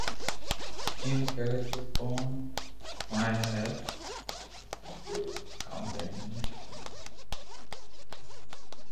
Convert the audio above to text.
ايم ڪري تو ڪوڻ ھوڻي لي